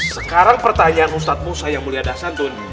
sekarang pertanyaan ustadzmu sayang mulia dasan